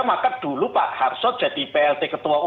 maka dulu pak harso jadi plt ketua umum